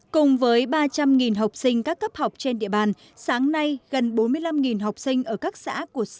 cùng với ba trăm linh học sinh các cấp học trên địa bàn sáng nay gần bốn mươi năm học sinh ở các xã của xã